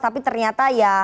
tapi ternyata ya